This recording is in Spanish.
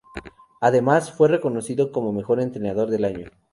Además, fue reconocido como "mejor entrenador del año".